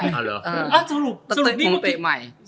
อ๋อสรุปวันเมื่อเปคใหม่